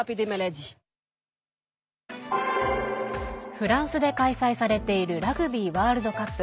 フランスで開催されているラグビーワールドカップ。